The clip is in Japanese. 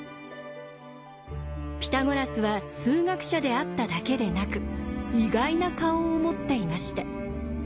ピタゴラスは数学者であっただけでなく意外な顔を持っていました。